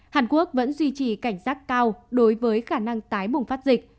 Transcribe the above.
hàn quốc vẫn duy trì cảnh giác cao đối với khả năng tái bùng phát dịch